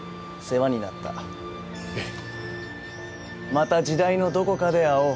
また時代のどこかで会おう。